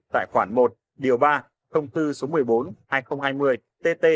tại khoản một điều ba thông tư số một mươi bốn hai nghìn hai mươi tt